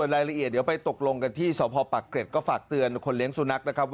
รายละเอียดเดี๋ยวไปตกลงกันที่สพปักเกร็ดก็ฝากเตือนคนเลี้ยงสุนัขนะครับ